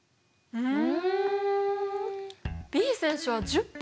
うん。